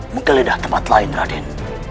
menggeledah tempat lain raden